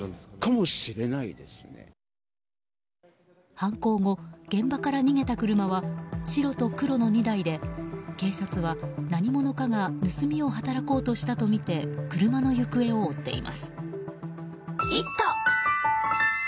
犯行後、現場から逃げた車は白と黒の２台で警察は、何者かが盗みを働こうとみて車の行方を追っています。